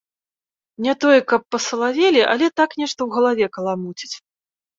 Не тое каб пасалавелі, але так нешта ў галаве каламуціць.